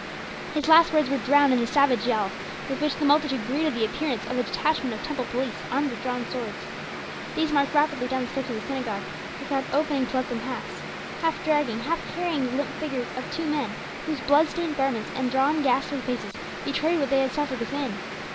His last words were drowned in the savage yell with which the multitude greeted the appearance of a detachment of temple police armed with drawn swords. These marched rapidly down the steps of the synagogue the crowd opening to let them pass half dragging, half carrying the limp figures of two men, whose blood stained garments and drawn, ghastly faces betrayed what they had suffered within.